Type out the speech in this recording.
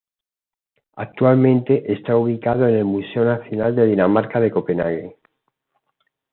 Actualmente está ubicado en el museo nacional de Dinamarca en Copenhague.